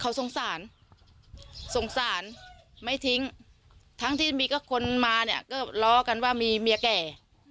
เขาสงสารสงสารไม่ทิ้งทั้งที่มีก็คนมาเนี่ยก็ล้อกันว่ามีเมียแก่